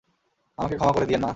আমাকে ক্ষমা করে দিয়েন মা।